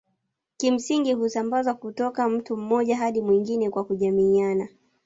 kimsingi husambazwa kutoka mtu mmoja hadi mwingine kwa kujamiiana